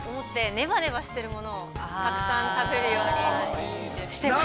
ねばねばしてるものをたくさん食べてようなしてます。